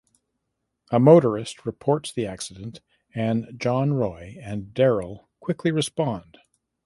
A motorist reports the accident and Jon Roy and Darryl quickly respond.